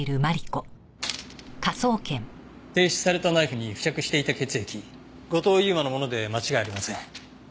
提出されたナイフに付着していた血液後藤佑馬のもので間違いありません。